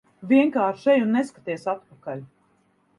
Vienkārši ej un neskaties atpakaļ.